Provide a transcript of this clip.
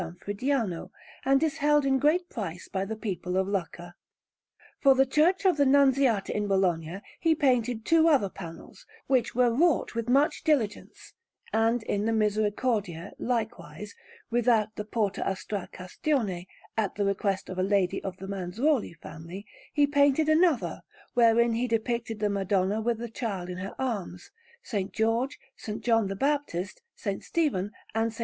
Fridiano, and is held in great price by the people of Lucca. For the Church of the Nunziata in Bologna he painted two other panels, which were wrought with much diligence; and in the Misericordia, likewise, without the Porta a Strà Castione, at the request of a lady of the Manzuoli family, he painted another, wherein he depicted the Madonna with the Child in her arms, S. George, S. John the Baptist, S. Stephen, and S.